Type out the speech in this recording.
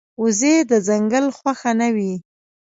وزې د ځنګل خوښه نه وي